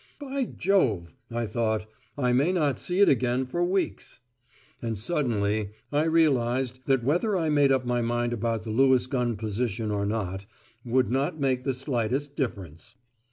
"By Jove," I thought, "I may not see it again for weeks." And suddenly I realised that whether I made up my mind about the Lewis gun position or not, would not make the slightest difference!